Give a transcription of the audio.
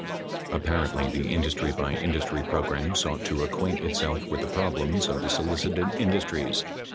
Apparently, the industry hy industry program sought to acquaint itself with the problems of the solicited industries.